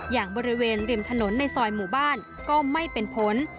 อย่างบริเวณริมถนนในซอยหมู่บ้านก็ไม่เป็นผล